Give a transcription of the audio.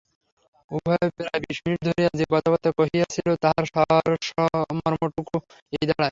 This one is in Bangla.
উভয়ে প্রায় বিশ মিনিট ধরিয়া যে কথাবার্তা কহিয়াছিল তাহার সারমর্মটকু এই দাঁড়ায়।